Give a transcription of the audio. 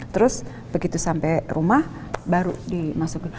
terus begitu sampai rumah baru dimasukin